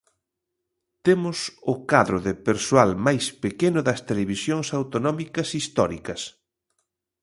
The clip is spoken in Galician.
Temos o cadro de persoal máis pequeno das televisións autonómicas históricas.